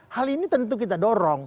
hal ini tentu kita dorong